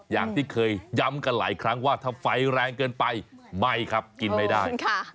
อย่างที่เคยย้ำกันหลายครั้งว่าถ้าไฟแรงเกินไปไม่ครับกินไม่ได้